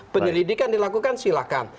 penyelidikan dilakukan silahkan